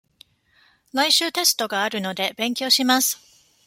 来週テストがあるので、勉強します。